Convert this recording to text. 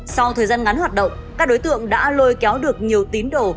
sau thời gian ngắn hoạt động các đối tượng đã lôi kéo được nhiều tín đồ